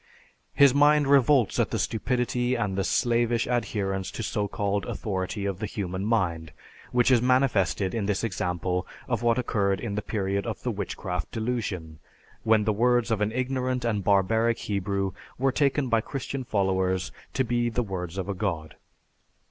His mind revolts at the stupidity and the slavish adherence to so called authority of the human mind, which is manifested in this example of what occurred in the period of the Witchcraft Delusion, when the words of an ignorant and barbaric Hebrew were taken by Christian followers to be the words of a god.